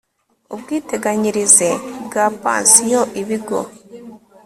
ubwiteganyirize bwa pansiyo ibigo